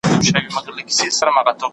ارام ذهن د ژور فکر کولو زمینه برابروي.